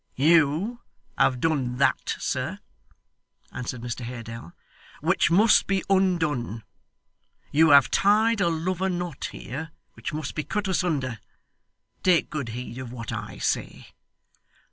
'You have done that, sir,' answered Mr Haredale, 'which must be undone. You have tied a lover's knot here which must be cut asunder. Take good heed of what I say.